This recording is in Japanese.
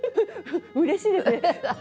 うれしいですね。